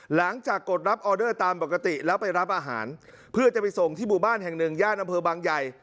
หลังจากกดรับออเดอร์ตามปกติแล้วไปรับอาหารเพื่อจะไปส่งที่บุตรบ้านแห่งหนึ่งญาติบังไย